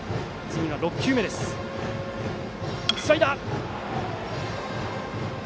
スライダー！